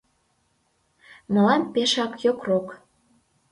— Мылам пешак йокрок…